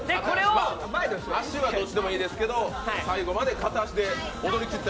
足はどっちでもいいですけど、最後まで踊りきると。